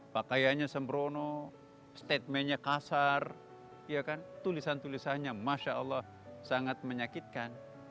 pakainya sembrono statementnya kasar tulisan tulisannya masyaallah sangat menyakitkan